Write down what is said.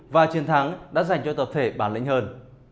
và chiến thắng đã dành cho tập thể bản lĩnh hơn